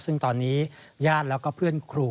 ซึ่งตอนนี้ญาติแล้วก็เพื่อนครู